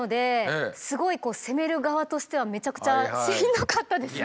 すごいこう攻める側としてはめちゃくちゃしんどかったですね。